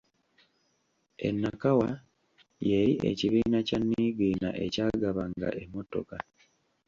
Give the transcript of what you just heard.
E Nakawa y’eri ekibiina kya Niigiina ekyagabanga emmotoka.